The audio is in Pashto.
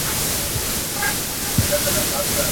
نور به نه کوم ګیلې له توره بخته!